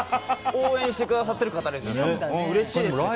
応援してくださってる方です。